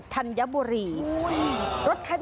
แต่ผมมีเซ็ดมาก